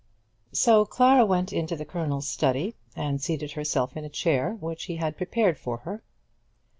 So Clara went into the Colonel's study, and seated herself in a chair which he had prepared for her.